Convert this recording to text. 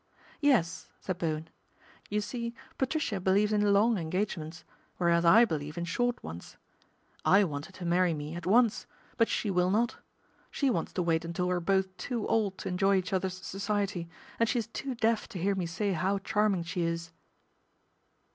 ' Yes," said Bowen, " you see Patricia believes In long engagements, whereas I believe in short ones. I want her to marry me at once ; but she will not. She wants to wait until we are both too old to enjoy each other's society, and she is too deaf to hear me say how charming she is."